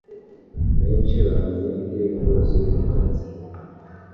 Benshi bamenye indirimbo z'uyu muhanzi